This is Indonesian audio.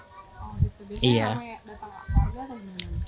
biasanya ramai datang ke keluarga atau di sini